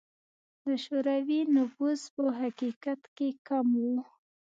د شوروي نفوس په حقیقت کې کم و.